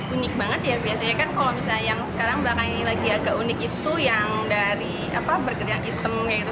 unik banget ya biasanya kan kalau misalnya yang sekarang belakang ini lagi agak unik itu yang dari burger yang hitamnya gitu